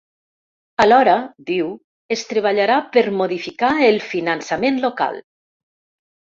Alhora, diu, es treballarà per modificar el finançament local.